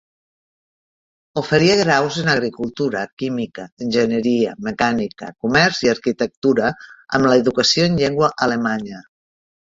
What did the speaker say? Oferia graus en agricultura, química, enginyeria, mecànica, comerç i arquitectura, amb l'educació en llengua alemanya.